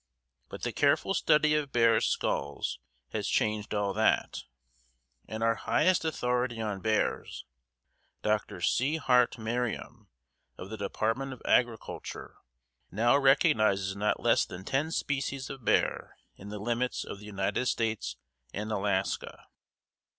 But the careful study of bears' skulls has changed all that, and our highest authority on bears, Dr. C. Hart Merriam of the Department of Agriculture, now recognizes not less than ten species of bear in the limits of the United States and Alaska.